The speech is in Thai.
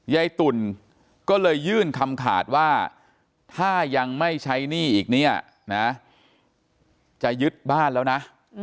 ตุ่นก็เลยยื่นคำขาดว่าถ้ายังไม่ใช้หนี้อีกเนี่ยนะจะยึดบ้านแล้วนะ